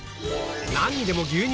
なんにでも牛乳？